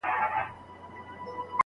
اوس ګراني! سر پر سر غمونـــه راځــــــــي